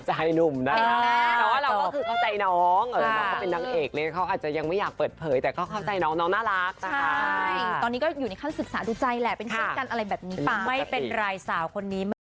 แต่เอาเป็นว่าก็ยังโสดแล้วก็ตั้งใจทำงานนะตอนนี้